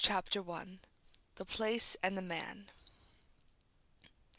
CHAPTER I. THE PLACE AND THE MAN.